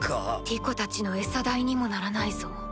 ティコたちの餌代にもならないぞ。